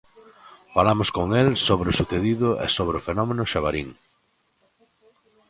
Falamos con el sobre o sucedido e sobre o fenómeno Xabarín.